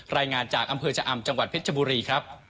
รายงานจากอำเภอชะอำจังหวัดเพชรบุรีครับ